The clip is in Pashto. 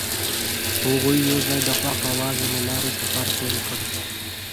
هغوی یوځای د خوښ اواز له لارې سفر پیل کړ.